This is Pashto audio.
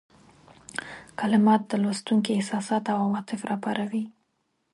کلمات د لوستونکي احساسات او عواطف را وپاروي.